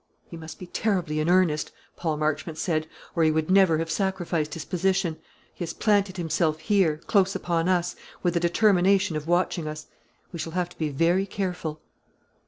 "He must be terribly in earnest," Paul Marchmont said, "or he would never have sacrificed his position. He has planted himself here, close upon us, with a determination of watching us. We shall have to be very careful."